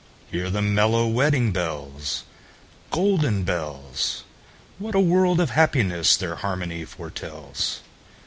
Hear the mellow wedding bells, Golden bells! What a world of happiness their harmony foretells!